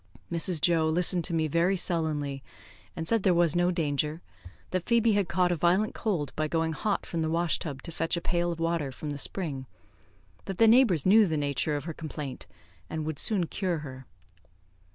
Mrs. Joe listened to me very sullenly, and said there was no danger; that Phoebe had caught a violent cold by going hot from the wash tub to fetch a pail of water from the spring; that the neighbours knew the nature of her complaint, and would soon cure her.